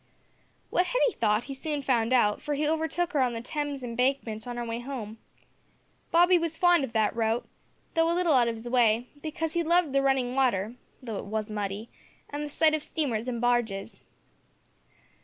What Hetty thought he soon found out, for he overtook her on the Thames embankment on her way home. Bobby was fond of that route, though a little out of his way, because he loved the running water, though it was muddy, and the sight of steamers and barges.